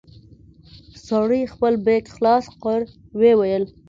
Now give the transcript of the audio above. سړي خپل بېګ خلاص کړ ويې ويل.